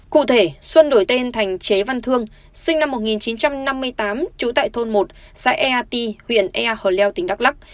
cụ thể xuân đổi tên thành chế văn thương sinh năm một nghìn chín trăm năm mươi tám trú tại thôn một xã ea ti huyện ea hờ leo tỉnh đắk lắc